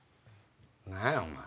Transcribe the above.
何やお前！